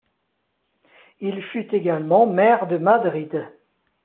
Il fut également Maire de Madrid.